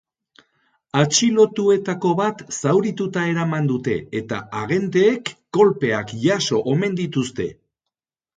Atxilotuetako bat zaurituta eraman dute eta agenteek kolpeak jaso omen dituzte.